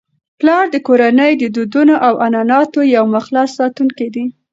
پلار د کورنی د دودونو او عنعناتو یو مخلص ساتونکی دی.